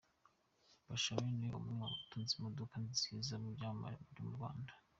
Bashabe ni umwe mu batunze imodoka nziza mu byamamare byo mu Rwanda.